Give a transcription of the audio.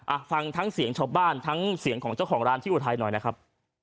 ฟังทั้งเสียงชาวบ้านทั้งเสียงของเจ้าของร้านที่อุทัยหน่อยนะครับ